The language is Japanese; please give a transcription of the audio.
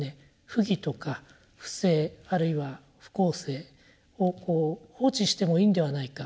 不義とか不正あるいは不公正をこう放置してもいいんではないか。